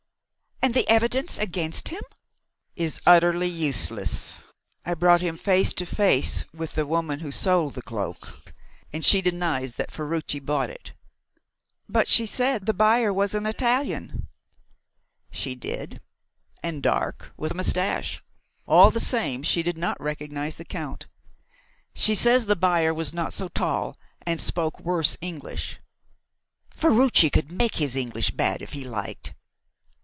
And the evidence against him?" "Is utterly useless. I brought him face to face with the woman who sold the cloak, and she denies that Ferruci bought it." "But she said the buyer was an Italian." "She did, and dark, with a moustache. All the same, she did not recognise the Count. She says the buyer was not so tall, and spoke worse English." "Ferruci could make his English bad if he liked."